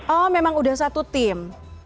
oh memang udah satu tim